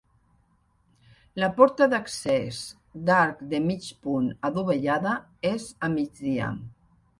La porta d'accés d'arc de mig punt adovellada és a migdia.